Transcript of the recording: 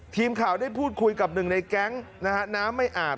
ทีมข่าวได้พูดคุยกับหนึ่งในแก๊งนะฮะน้ำไม่อาบ